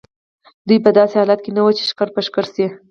دوی په داسې حالت کې نه وو چې ښکر په ښکر شي.